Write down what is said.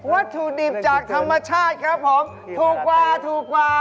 วัตถุดิบจากธรรมชาติครับผมถูกกว่าถูกกว่า